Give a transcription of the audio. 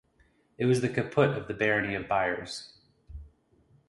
It was the caput of the Barony of Byres.